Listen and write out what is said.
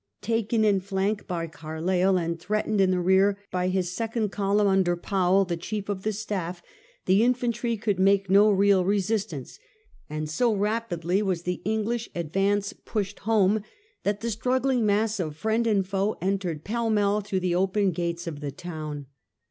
Taken in flank by Carleill, and threatened in the rear by his second column under Powell, the chief of the staff^ the infantry could make no real resistance; and so rapidly was the English advance pushed home, that the struggling mass of friend and foe entered pell mell through the open gates of the town.